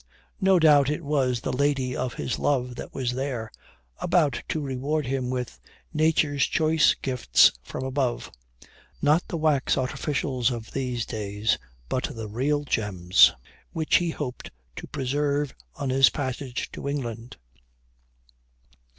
No doubt it was the lady of his love that was there, about to reward him with "Nature's choice gifts from above," not the wax artificials of these days, but the real gems, which he hoped to preserve on his passage to England!